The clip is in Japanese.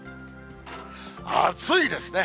暑いですね。